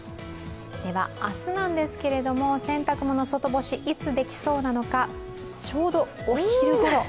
明日なんですけれども洗濯物外干し、いつできそうなのか、ちょうどお昼ごろ。